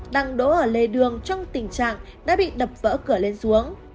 đang đỗ ở lề đường trong tình trạng đã bị đập vỡ cửa lên xuống